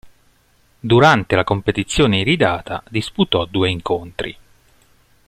Durante la competizione iridata disputò due incontri.